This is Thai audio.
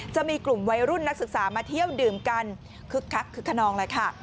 จะมีกลุ่มวัยรุ่นนักศึกษามาเที่ยวดื่มกันคึกคักคึกขนองแหละค่ะ